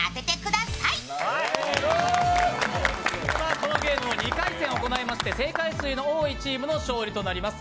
このゲームを２回戦行いまして、正解数の多いチームの勝利となります。